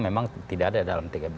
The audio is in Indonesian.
memang tidak ada dalam tgpf